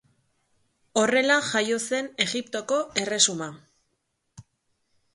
Horrela jaio zen Egiptoko Erresuma.